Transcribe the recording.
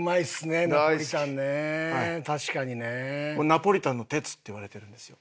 ナポリタンの哲っていわれてるんですよ。